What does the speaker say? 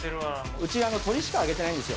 うち、鶏しか揚げてないんですよ。